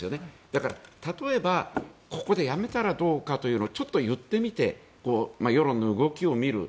だから、例えばここでやめたらどうかというのをちょっと言ってみて世論の動きを見る。